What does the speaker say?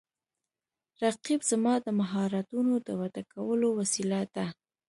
رقیب زما د مهارتونو د وده کولو وسیله ده